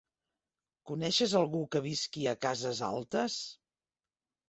Coneixes algú que visqui a Cases Altes?